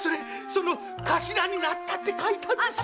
その「頭になった」って書いたんですよ。